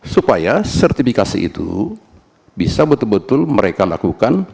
supaya sertifikasi itu bisa betul betul mereka lakukan